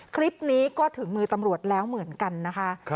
คลิปนี้ก็ถึงมือตำรวจแล้วเหมือนกันนะคะ